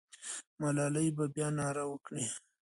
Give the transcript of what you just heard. ملالۍ به بیا ناره وکړي.